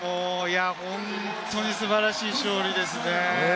本当に素晴らしい勝利ですね。